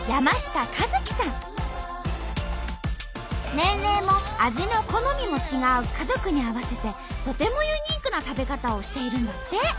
年齢も味の好みも違う家族に合わせてとてもユニークな食べ方をしているんだって！